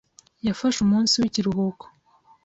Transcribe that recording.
Yafashe umunsi w'ikiruhuko.